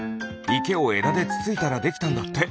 いけをえだでつついたらできたんだって。